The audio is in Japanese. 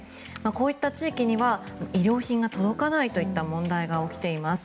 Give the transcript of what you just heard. こういった地域には衣料品が届かないといった問題が起きています。